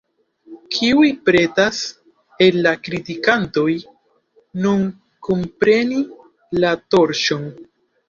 Kiuj pretas, el la kritikantoj, nun kunpreni la torĉon?